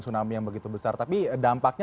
tsunami yang begitu besar tapi dampaknya